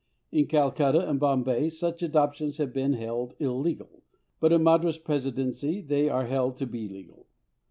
In Calcutta and Bombay such adoptions have been held illegal, but in the Madras Presidency they are held to be legal.